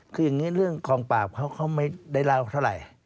คืออย่างนี้เรื่องกองปราบเขาไม่ได้เล่าเท่าไหร่